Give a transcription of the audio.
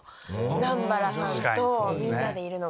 南原さんとみんなでいるのが。